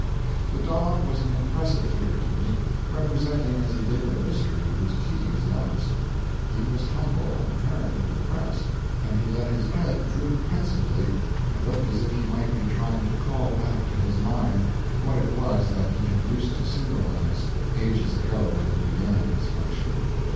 The dog was an impressive figure to me, representing as he did a mystery whose key is lost. He was humble, and apparently depressed; and he let his head droop pensively, and looked as if he might be trying to call back to his mind what it was that he had used to symbolize ages ago when he began his function.